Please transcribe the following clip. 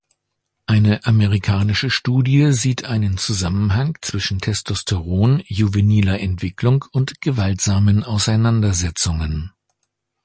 Eine amerikanische Studie sieht einen Zusammenhang zwischen Testosteron, juveniler Entwicklung und gewaltsamen Auseinandersetzungen.